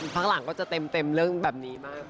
พักหลังเค้าจะเต็มเรื่องแบบนี้มาก